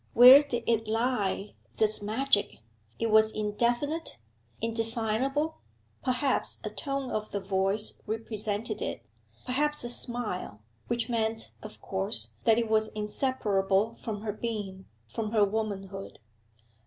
Where did it lie, this magic? It was indefinite, indefinable; perhaps a tone of the voice represented it, perhaps a smile which meant, of course, that it was inseparable from her being, from her womanhood.